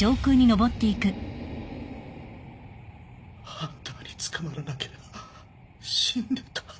ハンターに捕まらなければ死んでた。